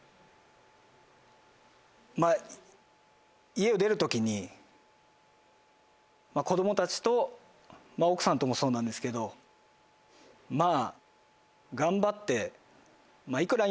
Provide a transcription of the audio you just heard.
家を出る時に子供たちと奥さんともそうなんですけどまぁ。